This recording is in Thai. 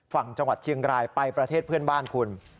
ฝั่งจังหวัดเชียงรายไปประเทศเพื่อนบ้านคุณ